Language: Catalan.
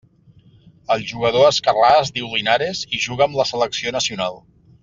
El jugador esquerrà es diu Linares i juga amb la selecció nacional.